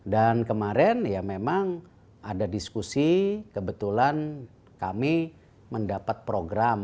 dan kemarin ya memang ada diskusi kebetulan kami mendapat program ya